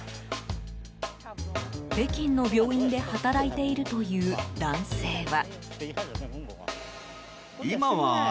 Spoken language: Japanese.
北京の病院で働いているという男性は。